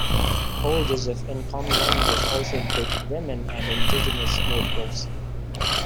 Holders of "encomiendas" also included women and indigenous notables.